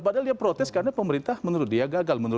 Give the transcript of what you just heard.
padahal dia protes karena pemerintah menurut dia gagal